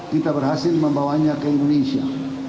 kita berhasil membawanya ke indonesia